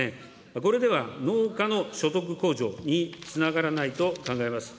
これでは農家の所得控除につながらないと考えます。